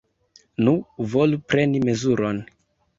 Nu, volu preni mezuron.